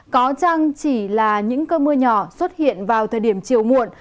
có chăng chỉ là những cơn mưa nhỏ xuất hiện vào thời điểm chiều muộn